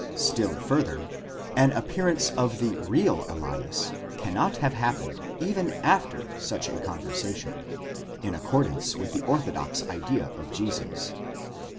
Still further, an appearance of the real Elias cannot have happened even after such a con versation, in accordance with the orthodox idea of Jesus.